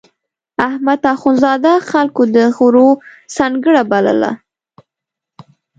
احمد اخوندزاده خلکو د غرو سنګړه بلله.